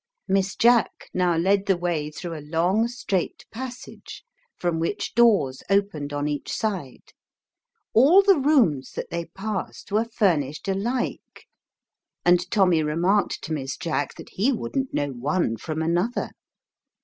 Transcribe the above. Miss Jack now led the way through a long straight passage, from which doors opened on each side. All the rooms that they passed were furnished alike, and Tommy remarked to Miss Jack that he wouldn't 56 7s slain by an indignant cat. know one from another.